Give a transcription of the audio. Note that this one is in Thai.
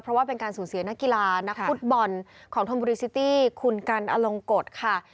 เพราะว่าเป็นการสูญเสียนักกีฬานักฟุตบอลของธมบุรีซิตี้คุณกันอลงกฎค่ะ